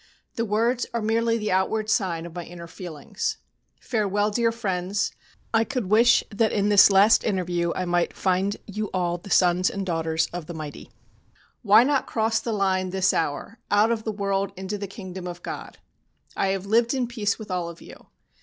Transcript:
The words are merely the outward sign of my inner feelings: "Farewell, dear friends. I could wish that in this last interview I might find you all the sons and daughters of the Mighty. Why not cross the line this hour, out of the world into the kingdom of God? I have lived in peace with all of you.